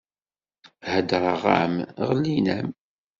Heddeṛeɣ-am ɣellin-am!